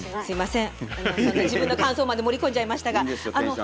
そんな自分の感想まで盛り込んじゃいましたが。